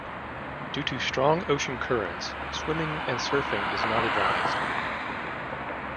Due to strong ocean currents, swimming and surfing is not advised.